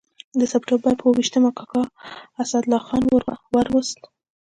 د سپټمبر پر اووه ویشتمه کاکا اسدالله خان ور ووست.